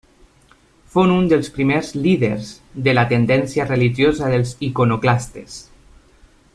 Fou un dels primers líders de la tendència religiosa dels iconoclastes.